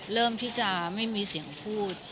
เริ่มที่จะไม่มีเสียงพูด